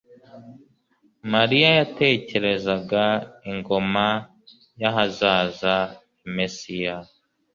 Mariya yatekerezaga ingoma y'ahazaza ya Mesiya __